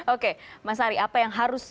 oke mas ari apa yang harus